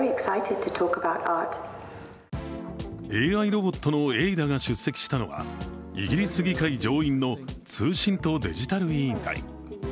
ＡＩロボットのエイダが出席したのはイギリス議会上院の通信とデジタル委員会。